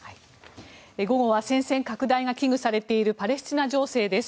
午後は戦線拡大が危惧されているパレスチナ情勢です。